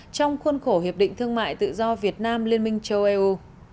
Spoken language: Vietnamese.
trong khuôn khổ hiệp định thương mại tự do việt nam liên minh châu âu